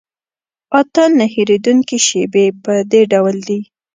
اته نه هېرېدونکي شیبې په دې ډول دي.